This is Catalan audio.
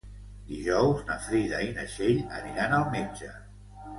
Dijous na Frida i na Txell aniran al metge.